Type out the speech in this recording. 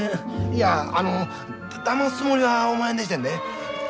いやあのだますつもりはおまへんでしてんで。